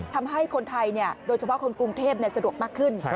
ทำให้คนไทยโดยเฉพาะคนกรุงเทพสะดวกมากขึ้น